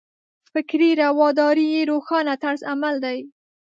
فکري رواداري یې روښانه طرز عمل دی.